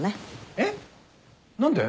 えっ何で？